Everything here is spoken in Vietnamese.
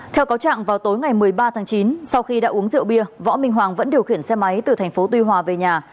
theo cáo trạng vào tối ngày một mươi ba tháng chín sau khi đã uống rượu bia võ minh hoàng vẫn điều khiển xe máy từ thành phố tuy hòa về nhà